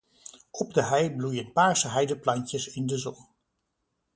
Op de hei bloeien paarse heideplantjes in de zon.